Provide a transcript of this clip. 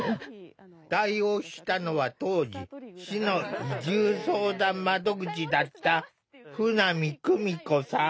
対応したのは当時市の移住相談窓口だった実は舩見さん